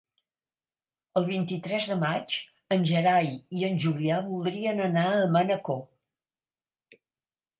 El vint-i-tres de maig en Gerai i en Julià voldrien anar a Manacor.